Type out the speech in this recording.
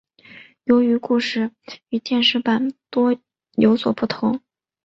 由于故事与电视版多所不同。